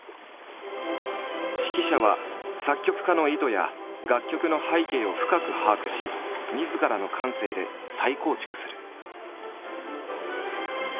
指揮者は作曲家の意図や楽曲の背景を深く把握しみずからの感性で再構築する。